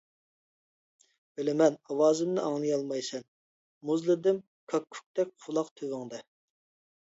بىلىمەن ئاۋازىمنى ئاڭلىيالمايسەن، مۇزلىدىم كاككۇكتەك قۇلاق تۈۋىڭدە.